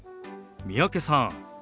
三宅さん